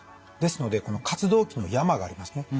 ですのでこの活動期の山がありますね。